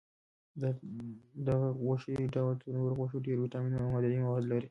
دا د غوښې ډول تر نورو غوښو ډېر ویټامینونه او معدني مواد لري.